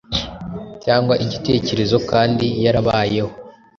cyangwa igitekerezo kandi yarabayeho